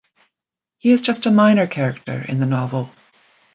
He is just a minor character in the novel.